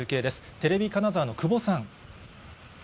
テレビ金沢の久保さん。